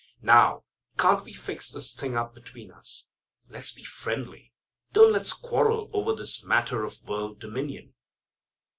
Now, can't we fix this thing up between us? Let's be friendly. Don't let's quarrel over this matter of world dominion.